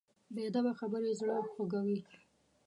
بې ادبه خبرې زړه خوږوي.